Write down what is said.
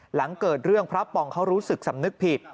หลังเกิดเรื่องพระปองเขารู้สึกสำนึกผิด